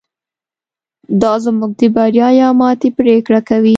دا زموږ د بریا یا ماتې پرېکړه کوي.